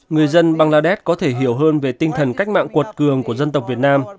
người dân băng la đét có thể hiểu hơn về tinh thần cách mạng quật cường của dân tộc việt nam